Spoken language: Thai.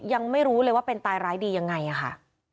ยังไม่รู้เลยว่าเป็นตายร้ายดียังไงค่ะ